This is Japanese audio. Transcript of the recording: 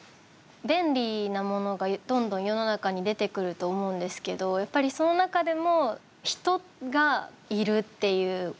便利なものが、どんどん世の中に出てくると思うんですがやっぱり、その中でも人がいるっていうこと。